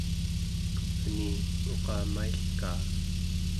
kevni uqamailkaa